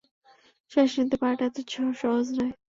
শ্বাস নিতে পারাটা এতো সহজ নয়!